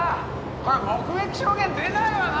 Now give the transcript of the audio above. これは目撃証言出ないわな